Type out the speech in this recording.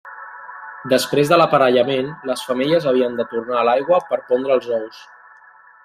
Després de l'aparellament, les femelles havien de tornar a l'aigua per pondre els ous.